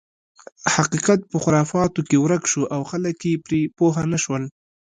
حقیقت په خرافاتو کې ورک شو او خلک یې پرې پوه نه شول.